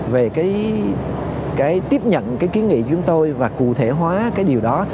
về cái tiếp nhận cái kiến nghị chúng tôi và cụ thể hóa cái điều đó